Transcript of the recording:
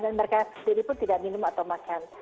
dan mereka sendiri pun tidak minum atau makan